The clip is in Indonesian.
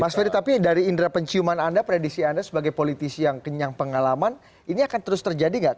mas ferry tapi dari indera penciuman anda predisi anda sebagai politisi yang kenyang pengalaman ini akan terus terjadi nggak